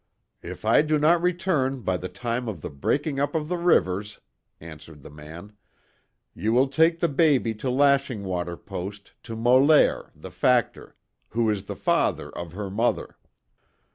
"If I do not return by the time of the breaking up of the rivers," answered the man, "You will take the baby to Lashing Water post to Molaire, the factor, who is the father of her mother."